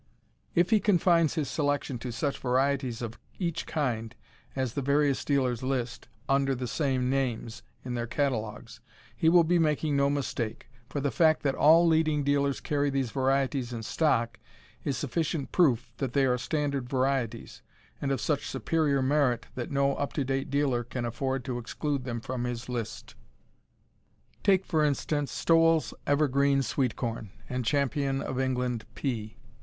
If he confines his selection to such varieties of each kind as the various dealers list under the same names in their catalogues he will be making no mistake, for the fact that all leading dealers carry these varieties in stock is sufficient proof that they are standard varieties, and of such superior merit that no up to date dealer can afford to exclude them from his list. Take, for instance, Stowell's Evergreen sweet corn, and Champion of England pea.